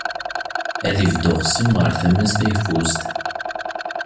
Ad ibedd uxṣim ɣer tama-s tayeffust.